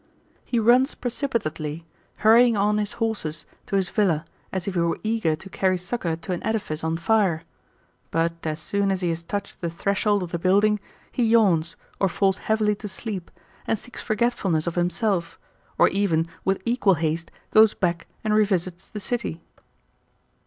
He runs precipitately, hurrying on his horses, to his villa, as if he were eager to carry succour to an edifice on fire; but, as soon as he has touched the threshold of the building, he yawns, or falls heavily to sleep, and seeks for getfulness of himself, or even with equal haste goes back and revisits thje city.